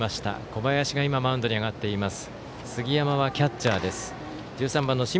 小林が今マウンドに上がっています。